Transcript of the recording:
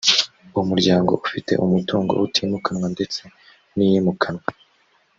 umuryango ufite umutungo utimukanwa ndetse n’iyimukanwa